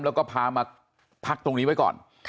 แล้วก็พามาพักตรงนี้ไว้ก่อน